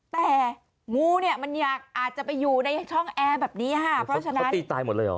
แต่งูเนี่ยมันอยากอาจจะไปอยู่ในช่องแอร์แบบนี้ค่ะเพราะฉะนั้นตีตายหมดเลยเหรอ